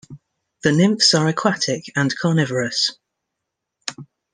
The nymphs are aquatic and carnivorous.